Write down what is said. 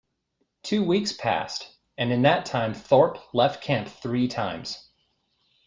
Two weeks passed, and in that time Thorpe left camp three times.